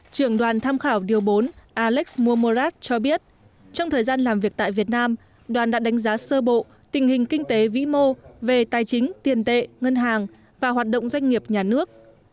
trưởng đoàn tham khảo điều bốn alex momorat cho biết trong thời gian làm việc tại việt nam đoàn đã đánh giá sơ bộ tình hình kinh tế vĩ mô về tài chính tiền tệ ngân hàng và hoạt động doanh nghiệp nhà nước